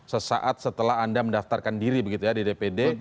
sesaat setelah anda mendaftarkan diri begitu ya di dpd